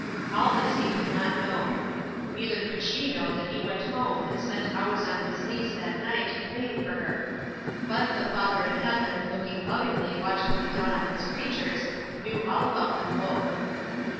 All this he could not know. Neither could she know that he went home and spent hours on his knees that night, praying for her. But the "Father in Heaven," looking lovingly, watchfully down on his creatures, knew all about them both.